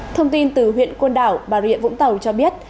thông tin từ huyện côn đảo bà rịa vũng tàu cho biết